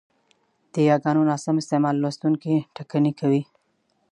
د یاګانو ناسم استعمال لوستوونکی ټکنی کوي،